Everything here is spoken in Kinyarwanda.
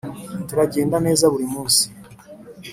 turagenda neza buri munsi